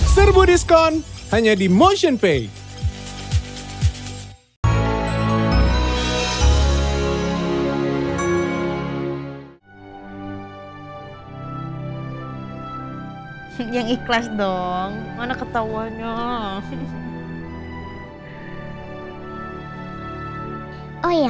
serbu diskon hanya di motionpay